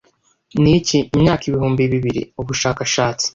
Niki, imyaka ibihumbi bibiri! Ubushakashatsi